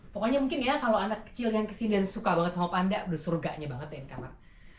pokoknya mungkin ya kalau anak kecil yang kesini dan suka banget sama panda udah surganya banget ya di kamar